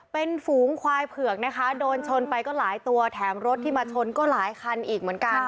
เป็นฝูงควายเผือกนะคะโดนชนไปก็หลายตัวแถมรถที่มาชนก็หลายคันอีกเหมือนกัน